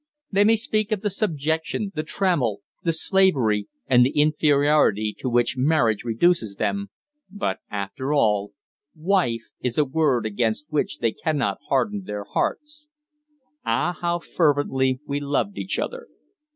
They may speak of the subjection, the trammel, the "slavery," and the inferiority to which marriage reduces them, but, after all, "wife" is a word against which they cannot harden their hearts. Ah! how fervently we loved each other.